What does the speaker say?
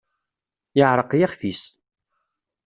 Yeɛreq yixf-is.